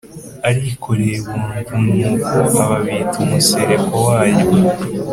arikoreye, bumva inkuku aba bita umusereko waryo